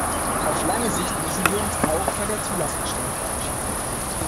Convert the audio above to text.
Auf lange Sicht müssen wir uns auch von der Zulassungssteuer verabschieden.